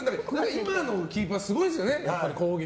今のキーパーすごいですよね。